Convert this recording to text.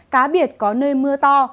cá biệt có nơi mưa to